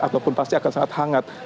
ataupun pasti akan sangat hangat